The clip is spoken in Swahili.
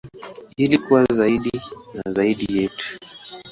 Ili kuwa zaidi na zaidi yetu.